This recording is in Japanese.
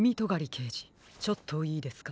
けいじちょっといいですか？